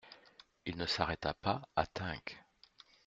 Il ne s'arrêta pas à Tinques.